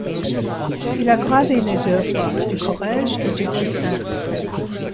Il a gravé les œuvres du Corrège et du Poussin.